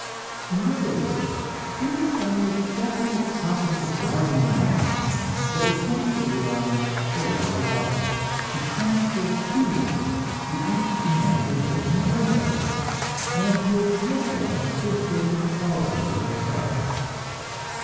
In other words, it is by a definite process of broadening our minds that we come to realize the lives of others, to transfer to them the interest we naturally take in our own lives, and to admit them to a state of equality with ourselves.